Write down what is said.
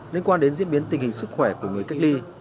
liên quan đến diễn biến tình hình sức khỏe của người cách ly